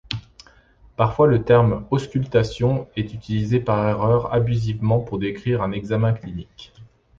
Parfois le terme auscultation est utilisé par erreur abusivement pour décrire un examen clinique.